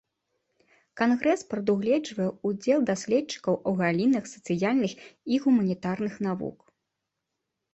Кангрэс прадугледжвае ўдзел даследчыкаў у галінах сацыяльных і гуманітарных навук.